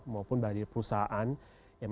maupun dari perusahaan yang